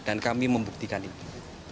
dan kami membuktikan itu